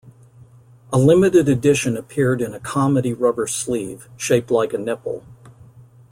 A limited edition appeared in a comedy rubber sleeve, shaped like a nipple.